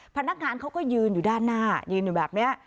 พนักงานเขาก็ยืนอยู่ด้านหน้ายืนอยู่แบบนี้